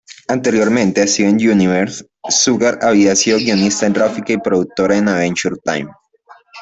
Anteriormente a "Steven Universe", Sugar había sido guionista gráfica y productora en "Adventure Time".